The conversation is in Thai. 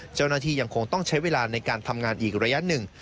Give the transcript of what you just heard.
เจ้าหน้าที่ยังคงต้องใช้เวลาในการทำงานอีกระยะหนึ่ง